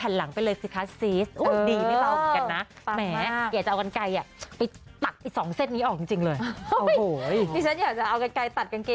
นี้เลย